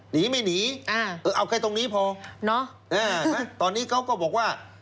หนีไม่หนีเอาแค่ตรงนี้พอเนอะตอนนี้เขาก็บอกว่า